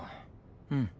うん。